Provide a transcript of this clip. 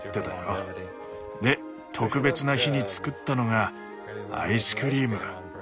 で特別な日に作ったのがアイスクリーム。